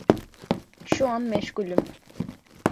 Şu an meşgulüm.